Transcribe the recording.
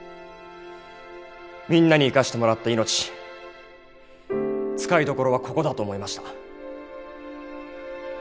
みんなに生かしてもらった命使いどころはここだと思いました。